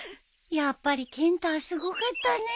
やっぱりケンタはすごかったね。